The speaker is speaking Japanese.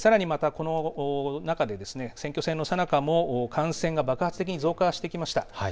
さらにまたこの中で選挙戦のさなかも感染が爆発的に増加してきました。